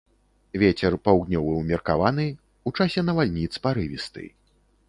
Вецер паўднёвы ўмеркаваны, у часе навальніц парывісты.